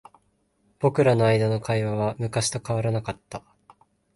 僕らの間の会話は昔と変わらなかった。